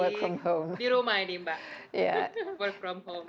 di rumah ini mbak